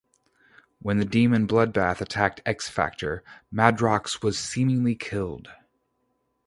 When the demon Bloodbath attacked X-Factor, Madrox was seemingly killed.